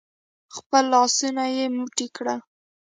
خپل لاسونه يې موټي کړل.